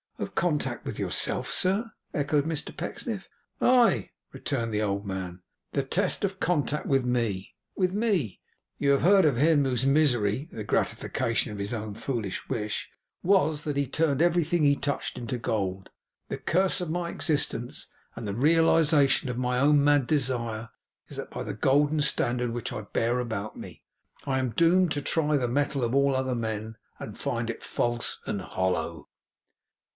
'Of contact with yourself, sir?' echoed Mr Pecksniff. 'Aye,' returned the old man, 'the test of contact with me with me. You have heard of him whose misery (the gratification of his own foolish wish) was, that he turned every thing he touched into gold. The curse of my existence, and the realisation of my own mad desire is that by the golden standard which I bear about me, I am doomed to try the metal of all other men, and find it false and hollow.